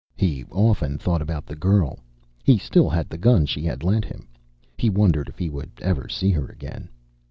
He often thought about the girl. He still had the gun she had lent him. He wondered if he would ever see her again.